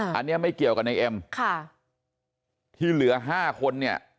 อันนี้ไม่เกี่ยวกับในเอ็มค่ะที่เหลือห้าคนเนี่ย